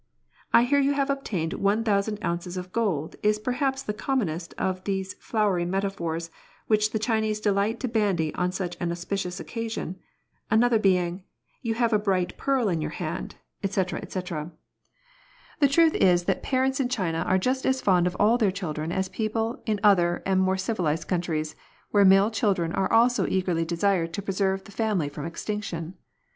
" I hear you have obtained one thou sand ounces of gold," is perhaps the commonest of those flowery metaphors which the Chinese delight to bandy on such an auspicious occasion ; another being, "You have a bright pearl in your hand," &c., &c. 158 FEMALE CHILDREN. The truth is that parents in China are just as fond of all their children as people in other and more civilised countries, where male children are also eagerly desired to preserve the family from extinction.